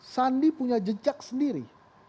sandi punya jejak sendiri